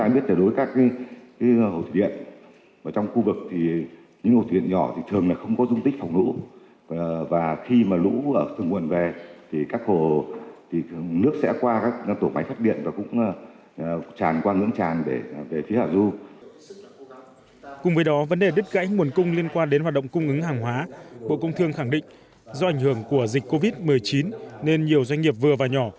bộ công thương khẳng định do ảnh hưởng của dịch covid một mươi chín nên nhiều doanh nghiệp vừa và nhỏ